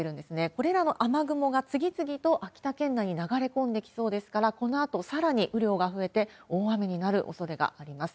これらの雨雲が次々と秋田県内に流れ込んできそうですから、このあとさらに、雨量が増えて、大雨になるおそれがあります。